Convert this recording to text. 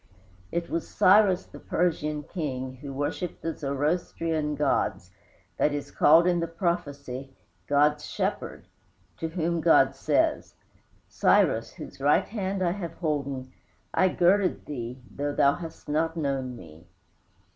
It was Cyrus, the Persian king, who worshiped the Zoroastrian gods, that is called in the prophecy "God's shepherd;" to whom God says, "Cyrus, whose right hand I have holden, I girded thee, though thou hast not known me."